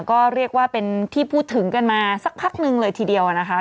ก็เรียกว่าเป็นที่พูดถึงกันมาสักพักหนึ่งเลยทีเดียวนะคะ